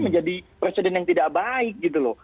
menjadi presiden yang tidak baik gitu loh